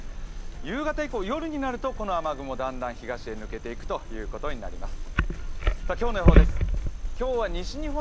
夕方以降、夜になると、この雨雲、だんだん東へ抜けていくということになります。